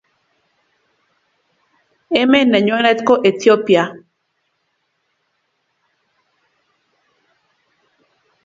Emet nenyonet ko Ethiopia